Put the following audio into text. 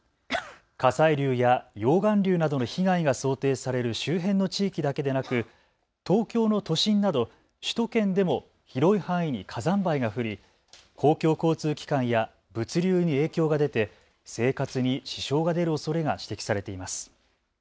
火砕流や溶岩流などの被害が想定される周辺の地域だけでなく東京の都心など首都圏でも広い範囲に火山灰が降り公共交通機関や物流に影響が出て生活に支障が出るおそれが指摘されています。